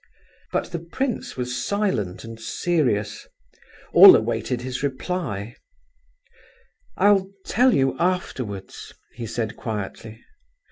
But the prince was silent and serious. All awaited his reply. "I'll tell you afterwards," he said quietly.